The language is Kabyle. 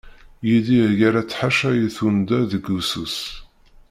Yidir yerra-tt ḥaca i tunḍa deg ussu-s.